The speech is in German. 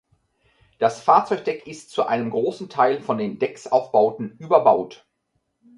Das Fahrzeugdeck ist zu einem großen Teil von den Decksaufbauten überbaut.